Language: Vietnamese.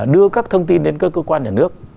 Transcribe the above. đưa các thông tin đến các cơ quan nhà nước